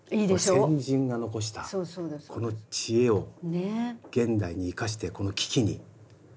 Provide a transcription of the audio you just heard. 先人が残したこの知恵を現代に生かしてこの危機に。